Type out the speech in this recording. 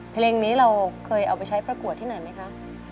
เพลงนี้เราเคยเอาไปใช้ประกวดที่ไหนไหมคะ